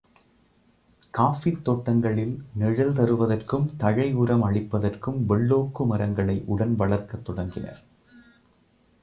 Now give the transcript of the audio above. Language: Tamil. காஃபித் தோட்டங்களில் நிழல் தருவதற்கும், தழை உரம் அளிப்பதற்கும் வெள்ளோக்கு மரங்களை உடன் வளர்க்கத் தொடங்கினர்.